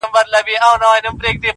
شکر وباسمه خدای ته په سجده سم,